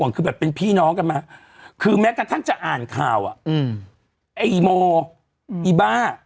คือแบบเป็นพี่น้องกันมาคือแม้กระทั่งจะอ่านข่าวอ่ะอืมไอ้อีโมอีบ้า